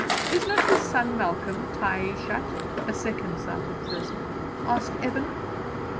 'Is not his son Malcolm taishatr (a second sighted person)?' asked Evan.